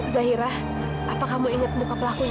zaira apa kamu ingat muka pelakunya